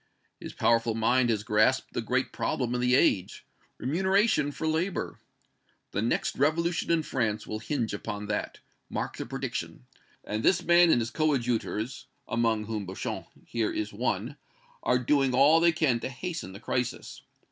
His powerful mind has grasped the great problem of the age remuneration for labor. The next revolution in France will hinge upon that mark the prediction and this man and his coadjutors, among whom Beauchamp here is one, are doing all they can to hasten the crisis.